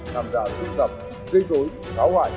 làm ra tích tộc gây dối tháo hoại